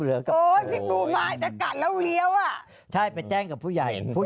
พี่โดดแค่เล็บเลยนะถ้าเจอผิดบู